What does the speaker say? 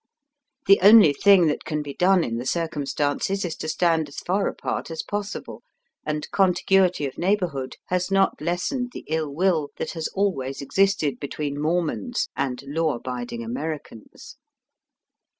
The only thing that can be done in the circumstances is to stand as far apart as possible, and contiguity of neighbourhood has not lessened the ill will that has always existed between Mormons and law abiding Americans.